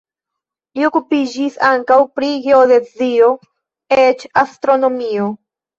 Li okupiĝis ankaŭ pri geodezio, eĉ astronomio.